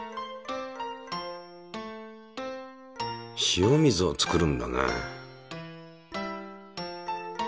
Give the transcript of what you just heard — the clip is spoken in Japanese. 塩水を作るんだね。